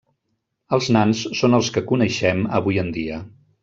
Els nans són els que coneixem avui en dia.